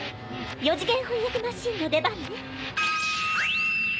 ４次元翻訳マシーンの出番ね。